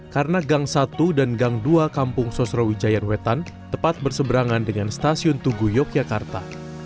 karena gang satu dan gang dua kampung sosrawijayan wetan tepat berseberangan dengan stasiun tugu yogyakarta